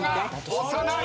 押さない。